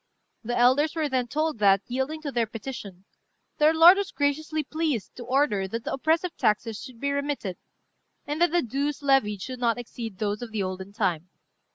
The elders were then told that, yielding to their petition, their lord was graciously pleased to order that the oppressive taxes should be remitted, and that the dues levied should not exceed those of the olden time.